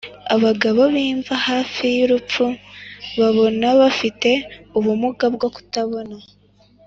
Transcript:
abagabo b'imva, hafi y'urupfu, babona bafite ubumuga bwo kutabona